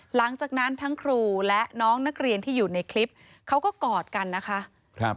หลังจากนั้นทั้งครูและน้องนักเรียนที่อยู่ในคลิปเขาก็กอดกันนะคะ